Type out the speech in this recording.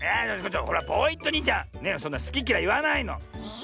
ポイットニーちゃんそんなすききらいいわないの！